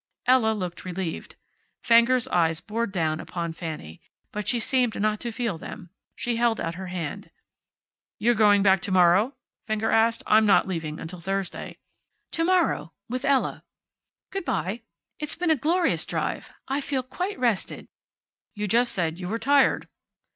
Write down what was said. Ella looked relieved. Fenger's eyes bored down upon Fanny, but she seemed not to feel them. She held out her hand. "You're going back to morrow?" Fenger asked. "I'm not leaving until Thursday." "To morrow, with Ella. Good by. It's been a glorious drive. I feel quite rested." "You just said you were tired."